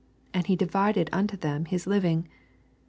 And he divided unto them his living.